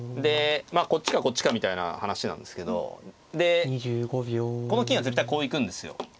こっちかこっちかみたいな話なんですけどでこの金は絶対こう行くんですよ。